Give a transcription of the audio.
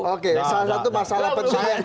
oke salah satu masalah pencegahan